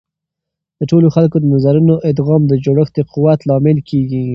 د ټولو خلکو د نظرونو ادغام د جوړښت د قوت لامل کیږي.